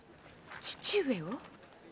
父上を？